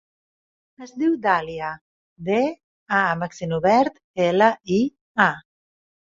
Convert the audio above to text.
Es diu Dàlia: de, a amb accent obert, ela, i, a.